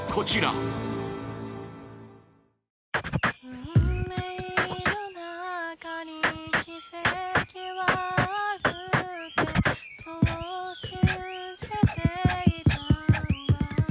運命の中に奇跡はあるって、そう信じていたんだ。